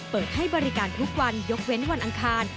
เปิดให้บริการทุกวันยกเว้นวันอังคาร